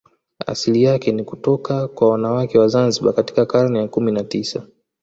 Asili yake ni kutoka kwa wanawake wa Zanzibar katika karne ya kumi na tisa